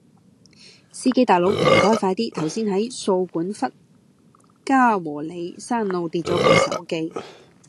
司機大佬唔該快啲，頭先喺掃管笏嘉和里山路跌左部手機